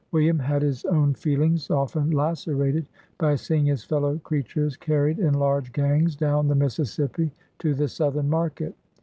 William had his own feelings often lacerated, by seeing his fellow crea tares carried in large gangs down the Mississippi to the Southern market.